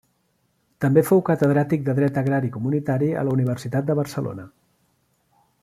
També fou catedràtic de dret agrari comunitari a la Universitat de Barcelona.